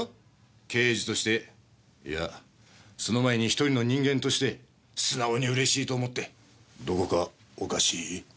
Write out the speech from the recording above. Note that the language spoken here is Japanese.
刑事としていやその前に１人の人間として素直にうれしいと思ってどこかおかしい？